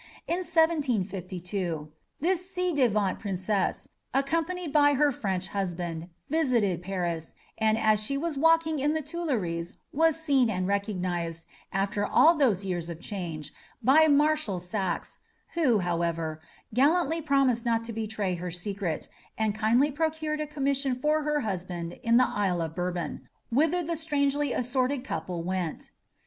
In 1752, this ci devant princess, accompanied by her French husband, visited Paris, and as she was walking in the Tuileries was seen and recognized, after all those years of change, by Marshal Saxe, who, however, gallantly promised not to betray her secret, and kindly procured a commission for her husband in the Isle of Bourbon, whither the strangely assorted couple went.